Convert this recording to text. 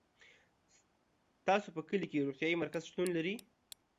تاسو په کلي کي روغتيايي مرکز شتون لری